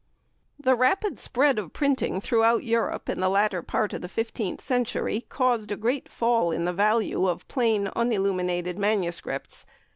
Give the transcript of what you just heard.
The rapid spread of printing throughout Europe in the latter part of the fifteenth century caused a great fall in the value of plain un illuminated MSS.